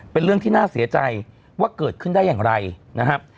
เป็นเรื่องที่น่าเสียใจว่าเกิดขึ้นได้อย่างไรนะครับ